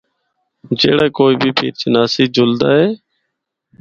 جِڑا کوئی بھی پیر چناسی جُلدا اے۔